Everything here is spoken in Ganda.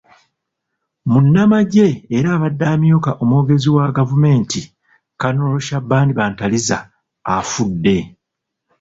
Munnnamajje era abadde amyuka omwogezi wa gavumenti, Colonel Shaban Bantariza afudde.